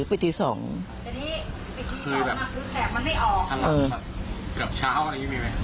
คือแบบทางหลังเกือบเช้าอะไรอย่างนี้มีไหม